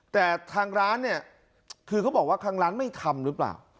แต่ทางร้านเนี่ยคือเขาบอกว่าทางร้านไม่ทำหรือเปล่า